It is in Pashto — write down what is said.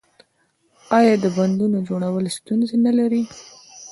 آیا د بندونو جوړول ستونزې نلري؟